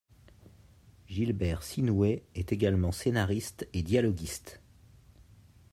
Gilbert Sinoué est également scénariste et dialoguiste.